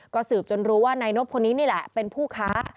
ก็สืบจนรู้ว่านายนบคนนี้นี่แหละเป็นผู้ค้า